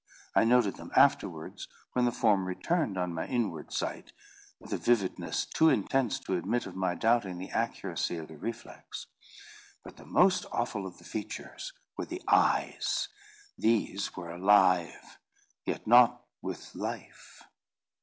I noted them afterwards, when the form returned on my inward sight with a vividness too intense to admit of my doubting the accuracy of the reflex. But the most awful of the features were the eyes. These were alive, yet not with life.